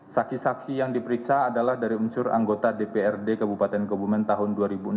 saksi saksi yang diperiksa adalah dari unsur anggota dprd kabupaten kebumen tahun dua ribu enam belas